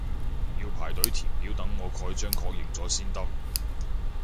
要排隊填表等我蓋章確認咗先得